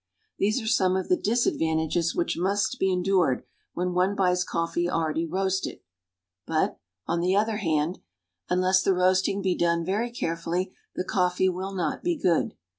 These are some of the disadvantages which must be endured when one buys coffee already roasted. But, on the other hand, unless the roasting be done very carefully, the coffee will not be good.